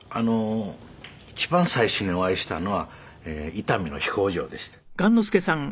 「一番最初にお会いしたのは伊丹の飛行場でして」